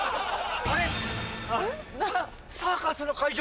サーカスの会場